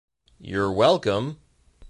You're welcome.